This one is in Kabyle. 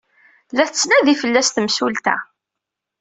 La tettnadi fell-as temsulta.